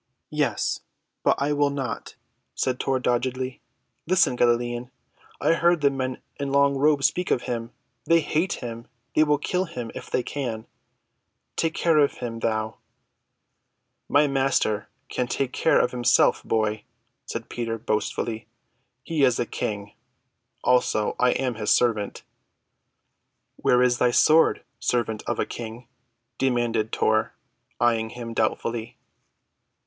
"Yes, but I will not," said Tor doggedly. "Listen, Galilean. I heard the men in long robes speak of him. They hate him. They will kill him, if they can. Take care of him—thou." "My Master can take care of himself, boy," said Peter boastfully. "He is a King; also, I am his servant." "Where is thy sword, servant of a King?" demanded Tor, eyeing him doubtfully.